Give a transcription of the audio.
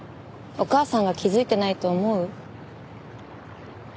お母さんが気づいてないと思う？